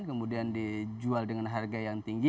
kemudian dijual dengan harga yang tinggi